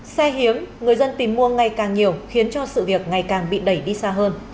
xe hiếm người dân tìm mua ngày càng nhiều khiến cho sự việc ngày càng bị đẩy đi xa hơn